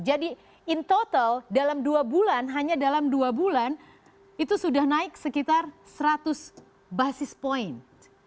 jadi in total dalam dua bulan hanya dalam dua bulan itu sudah naik sekitar seratus basis point